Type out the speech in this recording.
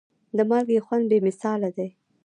د مالګې خوند بې مثاله دی.